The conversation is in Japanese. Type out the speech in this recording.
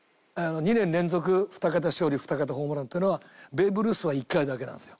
２年連続２桁勝利２桁ホームランっていうのはベーブ・ルースは１回だけなんですよ。